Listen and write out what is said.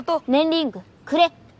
リングくれ。